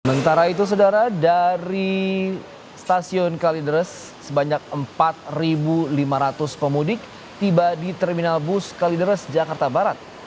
sementara itu saudara dari stasiun kalideres sebanyak empat lima ratus pemudik tiba di terminal bus kalideres jakarta barat